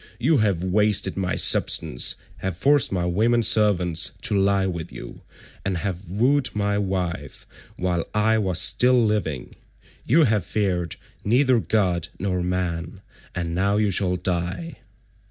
You have wasted my substance,167 have forced my women servants to lie with you, and have wooed my wife while I was still living. You have feared neither God nor man, and now you shall die."